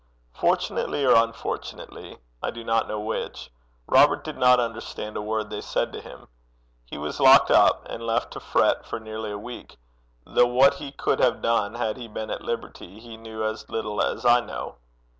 Fortunately or unfortunately I do not know which Robert did not understand a word they said to him. He was locked up, and left to fret for nearly a week; though what he could have done had he been at liberty, he knew as little as I know.